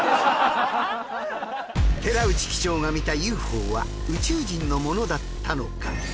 寺内機長が見たＵＦＯは宇宙人のものだったのか？